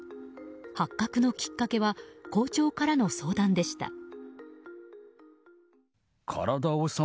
発覚のきっかけは校長からの相談でした。